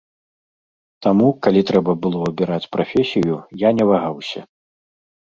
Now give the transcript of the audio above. Таму, калі трэба было абіраць прафесію, я не вагаўся.